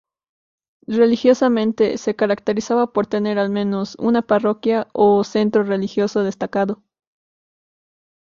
Religiosamente se caracterizaba por tener al menos una parroquia o centro religioso destacado.